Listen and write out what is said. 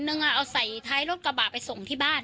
เอาใส่ท้ายรถกระบะไปส่งที่บ้าน